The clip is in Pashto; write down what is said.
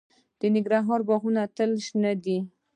د ننګرهار باغونه تل شنه دي.